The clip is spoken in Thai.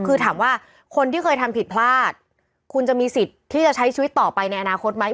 คือถามว่าคนที่เคยทำผิดพลาดคุณจะมีสิทธิ์ที่จะใช้ชีวิตต่อไปในอนาคตไหม